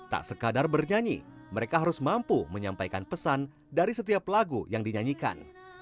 tak sekadar bernyanyi mereka harus mampu menyampaikan pesan dari setiap lagu yang dinyanyikan